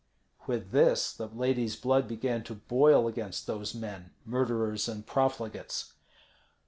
With this the lady's blood began to boil against those men, murderers and profligates.